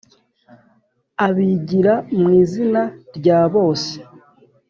Abigira mu izina rya bose